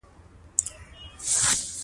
پخواني خلک په دې ډاډه نه وو.